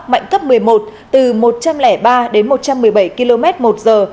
mạnh cấp một mươi một từ một trăm linh ba đến một trăm một mươi bảy km một giờ